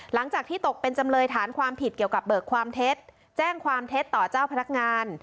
หลังจากที่ตกเป็นจำเลยฐานความผิดเกี่ยวกับเบิกความเท็จแจ้งความเท็จต่อเจ้าพนักงาน